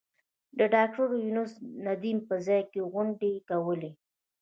د ډاکټر یونس ندیم په ځای کې غونډې کولې.